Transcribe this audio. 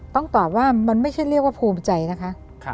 ต้องตอบว่ามันไม่ใช่เรียกว่าภูมิใจนะคะ